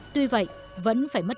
tuy vậy vẫn phải mất